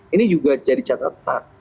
ini juga jadi catatan